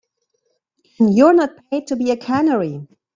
You're not paid to be a canary.